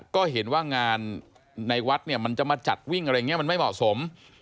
ก็เห็นว่างานในวัดเนี่ยมันจะมาจัดวิ่งอะไรอย่างนี้มันไม่เหมาะสม